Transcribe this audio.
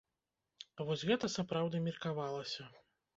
Вось гэта сапраўды меркавалася.